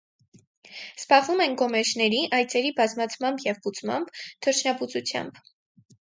Զբաղվում են գոմեշների, այծերի բազմացմամբ և բուծմամբ, թռչնաբուծությամբ։